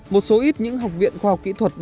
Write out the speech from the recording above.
một số ít những học viện khoa học kỹ thuật